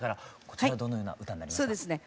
こちらはどのような歌になりますか？